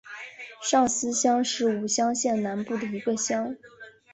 上司乡是武乡县南部的一个乡。